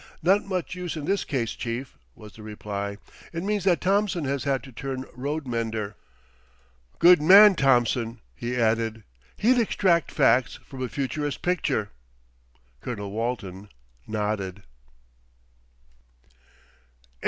"Not much use in this case, chief," was the reply. "It means that Thompson has had to turn road mender. Good man, Thompson," he added. "He'd extract facts from a futurist picture." Colonel Walton nodded.